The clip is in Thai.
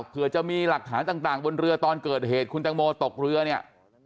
เผื่อจะมีหลักฐานต่างบนเรือตอนเกิดเหตุคุณตังโมตกเรือเนี่ย